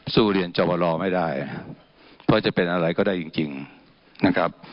สู้เรียนจบรอไม่ได้เพราะจะเป็นอะไรก็ได้จริงนะครับ